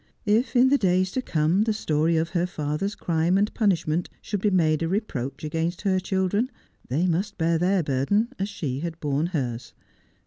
If in the days to come the story of her father's crime and punishment should be made a re proach against her children, they must bear their burden as she had borne hers.